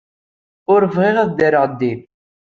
Ur bɣiɣ ad ddreɣ din.